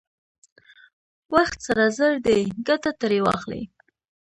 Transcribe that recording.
وخت سره زر دی، ګټه ترې واخلئ!